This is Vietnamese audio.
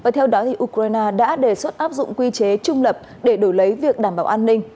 theo đó ukraine đã đề xuất áp dụng quy chế trung lập để đổi lấy việc đảm bảo an ninh